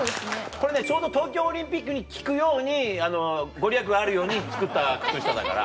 これねちょうど東京オリンピックに効くように御利益があるように作った靴下だから。